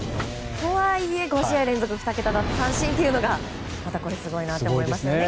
とはいえ、５試合連続２桁連続奪三振というのがまたすごいなと思いますね